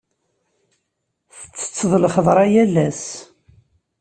Ttetteḍ lxeḍra yal ass?